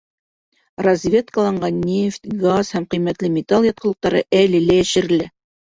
Разведкаланған нефть, газ һәм ҡиммәтле металл ятҡылыҡтары әле лә йәшерелә.